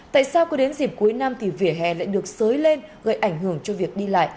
tại sao cứ đến dịp cuối năm thì vỉa hè lại được sới lên gây ảnh hưởng cho việc đi lại